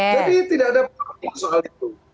jadi tidak ada perbedaan soal itu